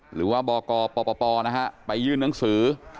หรือว่าบกปปนะฮะไปยื่นหนังสือ